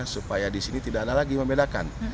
supaya di sini tidak ada lagi membedakan